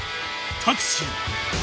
「タクシー」